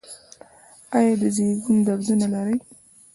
ایا د زیږون دردونه لرئ؟